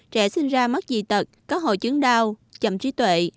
trẻ sinh ra mất dị tật có hội chứng đau chậm trí tuệ